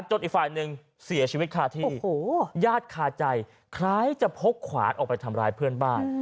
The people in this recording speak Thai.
อีกฝ่ายหนึ่งเสียชีวิตคาที่ญาติคาใจคล้ายจะพกขวานออกไปทำร้ายเพื่อนบ้าน